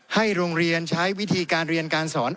ให้โรงเรียนใช้วิธีการเรียนการสอน